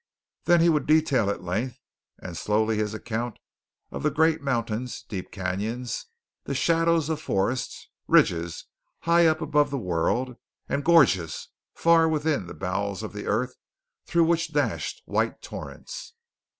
Then he would detail at length and slowly his account of the great mountains, deep cañons, the shadows of forests, ridges high up above the world, and gorges far within the bowels of the earth through which dashed white torrents.